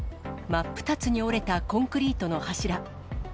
真っ二つに折れたコンクリートの柱。